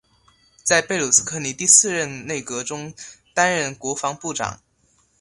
在贝鲁斯柯尼第四任内阁中担任国防部长。